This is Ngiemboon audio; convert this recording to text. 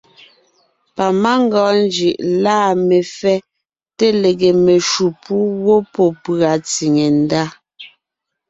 Pamangʉa njʉʼ lâ mefɛ́ té lege meshǔ pú ngwɔ́ pɔ́ pʉ̀a tsìŋe ndá.